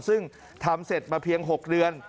ซึ่งทำเสร็จมาเพียง๖เดือน